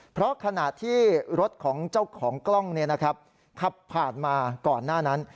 เพราะขณะที่รถของเจ้าของกล้องขับผ่านมาก่อนหน้านั้น